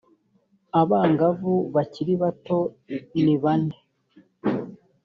abangavu bakiri bato nibane